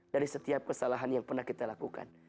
dari setiap kesalahan yang pernah kita lakukan